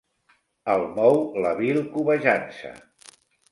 El mou la vil cobejança.